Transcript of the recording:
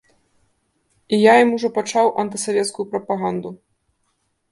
І я ім ужо пачаў антысавецкую прапаганду.